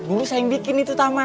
dulu saya yang bikin itu taman